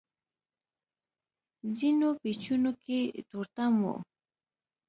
ځينو پېچونو کې تورتم و.